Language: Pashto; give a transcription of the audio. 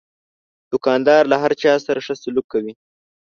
دوکاندار له هر چا سره ښه سلوک کوي.